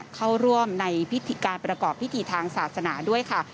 เข้าร่วมในพิธีการประกอบพิธีทางศาสนาด้วยค่ะ